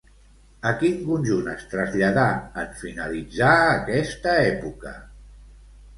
A quin conjunt es traslladà en finalitzar aquesta època?